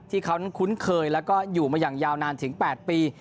ที่เขานั้นคุ้นเคยแล้วก็อยู่มาอย่างยาวนานถึง๘ปี